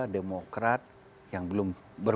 demokrat yang belum